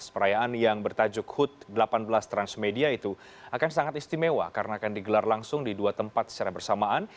perayaan yang bertajuk hut delapan belas transmedia itu akan sangat istimewa karena akan digelar langsung di dua tempat secara bersamaan